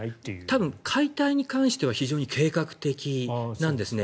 多分、解体に関しては非常に計画的なんですね。